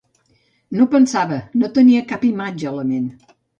No pensava, no tenia cap imatge a la ment.